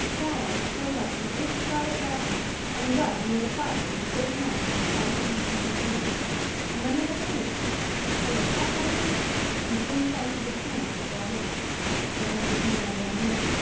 Estralla was curled up in a big scarlet wrapper on a rug near the fire with a big mug of the spiced and sweetened milk. And when they had finished this a plate of hot buttered biscuit, and thin slices of ham, was brought in. Then there was more warm milk.